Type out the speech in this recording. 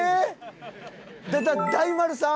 だ大丸さん？